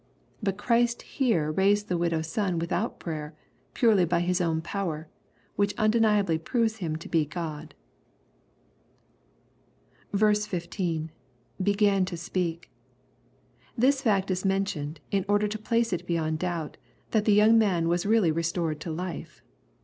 But Christ here raised the widow's son without prayer, purely by His own power ; which undeniably proves him to be God." 15. — [Began to speak.] This fact is mentioned, in order to place it beyond doubt, that the young man was really restored to life.